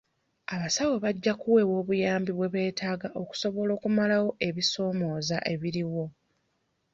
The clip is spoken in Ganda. Abasawo bajja kuweebwa obuyambi bwe beetaaga okusobola okumalawo ebisoomooza ebiriwo.